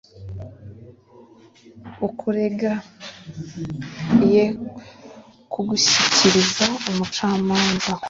ukurega ye kugushyikiriza umucamanza